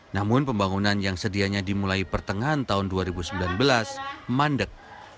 namun pembangunan yang sedianya dimulai pertengahan tahun dua ribu sembilan belas mandek